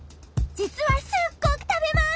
じつはすっごくたべます！